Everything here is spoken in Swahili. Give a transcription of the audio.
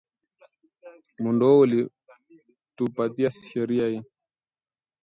Muundo huu ulitupatia sheria hi